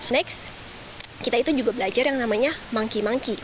next kita itu juga belajar yang namanya monkey monkey